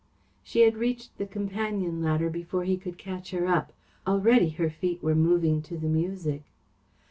She had reached the companion ladder before he could catch her up. Already her feet were moving to the music.